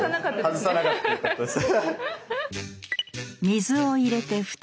外さなかったからよかったです。